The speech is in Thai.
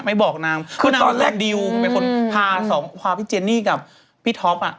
ไม่บอกนางเพราะนางก็เรียนดีลมันเป็นคนพาพี่เจนี่กับพี่ท็อปอ่ะ